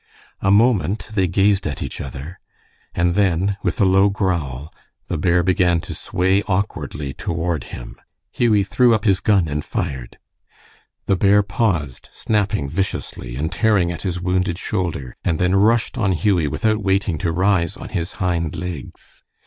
A moment they gazed at each other, and then, with a low growl, the bear began to sway awkwardly toward him. Hughie threw up his gun and fired. The bear paused, snapping viciously and tearing at his wounded shoulder, and then rushed on Hughie without waiting to rise on his hind legs.